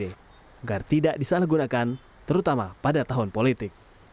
agar tidak disalahgunakan terutama pada tahun politik